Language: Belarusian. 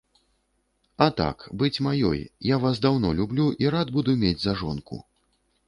А так, быць маёй, я вас даўно люблю і рад буду мець за жонку.